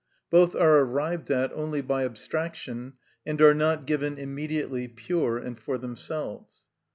Both are arrived at only by abstraction, and are not given immediately, pure and for themselves.